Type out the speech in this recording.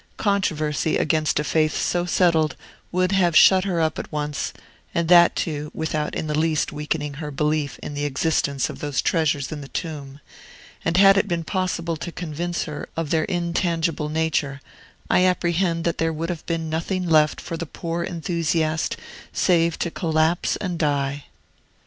Controversy against a faith so settled would have shut her up at once, and that, too, without in the least weakening her belief in the existence of those treasures of the tomb; and had it been possible to convince her of their intangible nature, I apprehend that there would have been nothing left for the poor enthusiast save to collapse and die.